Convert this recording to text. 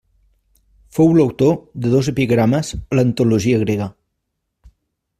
Fou l'autor de dos epigrames a l'antologia grega.